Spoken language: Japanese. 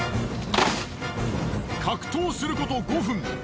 格闘すること５分。